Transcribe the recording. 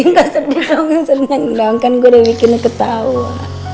nggak sedih dong sedih nendang kan gue udah bikin ketawa